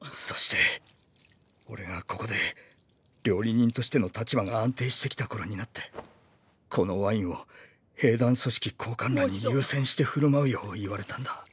そして俺がここで料理人としての立場が安定してきた頃になってこのワインを兵団組織高官らに優先して振る舞うよう言われたんだ。